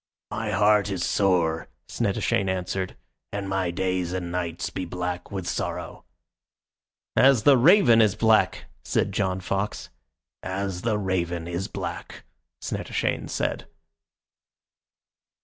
"My heart is sore," Snettishane answered, "and my days and nights be black with sorrow." "As the raven is black," said John Fox. "As the raven is black," Snettishane said.